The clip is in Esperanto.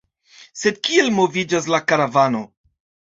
Sed kiel moviĝas la karavano?